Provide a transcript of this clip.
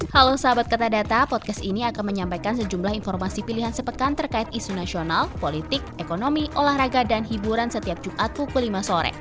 halo sahabat kata podcast ini akan menyampaikan sejumlah informasi pilihan sepekan terkait isu nasional politik ekonomi olahraga dan hiburan setiap jumat pukul lima sore